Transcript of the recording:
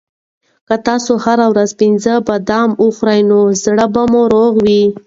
که تاسو هره ورځ پنځه بادام وخورئ نو زړه به مو روغ وي.